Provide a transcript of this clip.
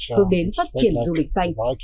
hướng đến phát triển du lịch xanh